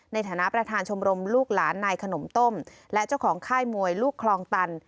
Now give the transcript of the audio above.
ในฐานะประธานชมรมลูกหลานนายขนมต้มและเจ้าของค่ายมวยลูกคลองตัน